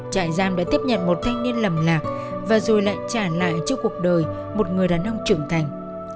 trại giam đã tiếp nhận một thanh niên lầm lạc và rồi lại trả lại cho cuộc đời một người đàn ông trưởng thành